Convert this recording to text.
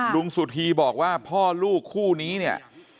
สุธีบอกว่าพ่อลูกคู่นี้เนี่ย